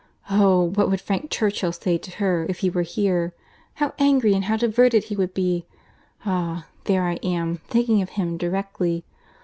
Oh! what would Frank Churchill say to her, if he were here? How angry and how diverted he would be! Ah! there I am—thinking of him directly.